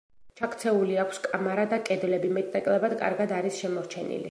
ჩაქცეული აქვს კამარა და კედლები მეტნაკლებად კარგად არის შემორჩენილი.